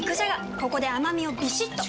ここで甘みをビシッと！